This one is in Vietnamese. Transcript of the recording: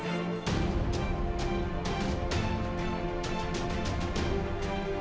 hẹn gặp lại